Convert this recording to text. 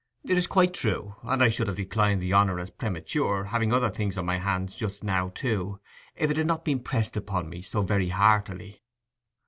It is quite true; and I should have declined the honour as premature—having other things on my hands just now, too—if it had not been pressed upon me so very heartily.